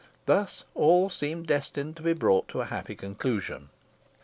Thus all seemed destined to be brought to a happy conclusion.